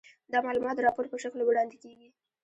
دا معلومات د راپور په شکل وړاندې کیږي.